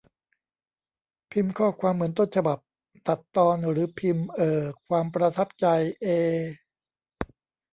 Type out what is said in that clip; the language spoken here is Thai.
พิมพ์ข้อความเหมือนต้นฉบับ ตัดตอน หรือว่าพิมพ์ เอ่อ ความประทับใจ เอ